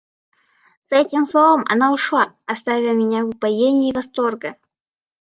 С этим словом она ушла, оставя меня в упоении восторга.